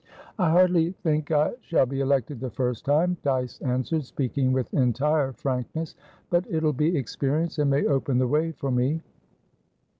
"I hardly think I shall be elected the first time," Dyce answered, speaking with entire frankness. "But it'll be experience, and may open the way for me."